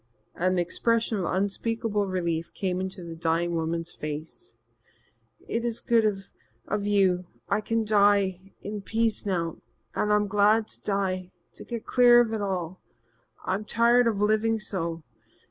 An expression of unspeakable relief came into the dying woman's face. "It is good of you. I can die in peace now. I'm glad to die to get clear of it all. I'm tired of living so.